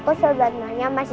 uh desa temen temen